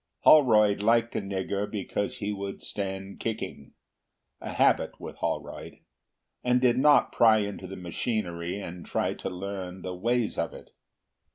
Holroyd liked a nigger because he would stand kicking—a habit with Holroyd—and did not pry into the machinery and try to learn the ways of it.